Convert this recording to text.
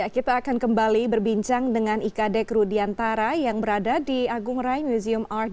kita akan kembali berbincang dengan ikd krudiantara yang berada di agung rai museum art